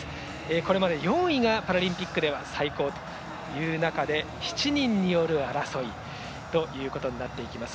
これまで４位がパラリンピックでは最高という中で７人による争いとなっていきます。